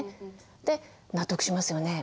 で納得しますよね。